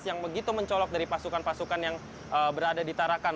yang begitu mencolok dari pasukan pasukan yang berada di tarakan